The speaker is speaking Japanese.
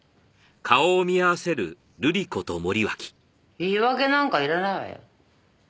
言い訳なんかいらないわよ。